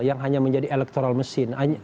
yang hanya menjadi electoral mesin